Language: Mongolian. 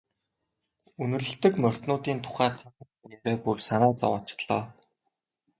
Үнэрлэдэг морьтнуудын тухай та нарын яриа бүр санаа зовоочихлоо.